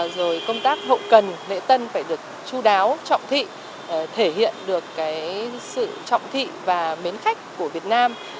rồi công tác hậu cần lễ tân phải được chú đáo trọng thị thể hiện được sự trọng thị và mến khách của việt nam